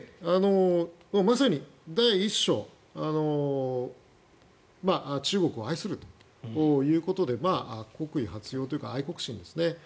まさに第１章中国を愛するということで国威発揚というか愛国心ですね。